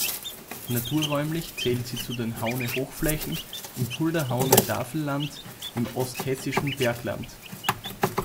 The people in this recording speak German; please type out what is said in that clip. Naturräumlich zählt sie zu den Haune-Hochflächen im Fulda-Haune-Tafelland im Osthessischen Bergland.